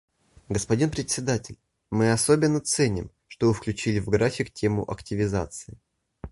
Господин Председатель, мы особенно ценим, что вы включили в график тему активизации.